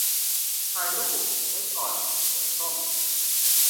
ถ่ายรูปไว้ก่อนส่งซ่อม